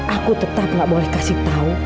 aku tetap gak boleh kasih tahu